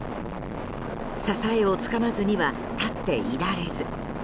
支えをつかまずには立っていられず。